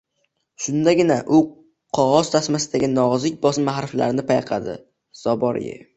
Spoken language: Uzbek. Shundagina u qogʻoz tasmadagi nozik bosma harflarni payqadi: “Zaborye”.